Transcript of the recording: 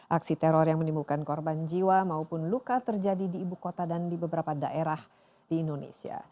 aksi teror yang menimbulkan korban jiwa maupun luka terjadi di ibu kota dan di beberapa daerah di indonesia